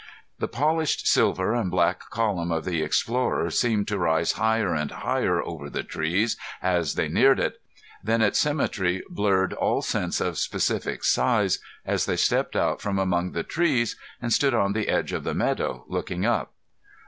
The polished silver and black column of the Explorer seemed to rise higher and higher over the trees as they neared it. Then its symmetry blurred all sense of specific size as they stepped out from among the trees and stood on the edge of the meadow, looking up.